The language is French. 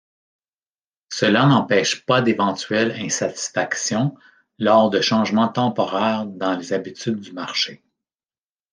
Cela n'empêche pas d'éventuelles insatisfactions lors de changements temporaires dans les habitudes du marché.